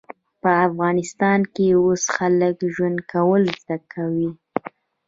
په افغانستان کې اوس خلک ژوند کول زده کوي